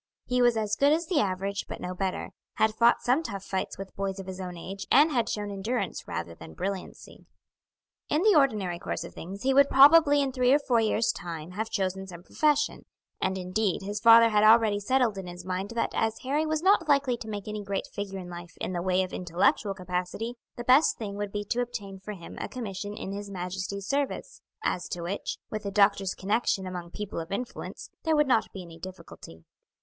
He was as good as the average, but no better; had fought some tough fights with boys of his own age, and had shown endurance rather than brilliancy. In the ordinary course of things he would probably in three or four years' time have chosen some profession; and, indeed, his father had already settled in his mind that as Harry was not likely to make any great figure in life in the way of intellectual capacity, the best thing would be to obtain for him a commission in his Majesty's service, as to which, with the doctor's connection among people of influence, there would not be any difficulty.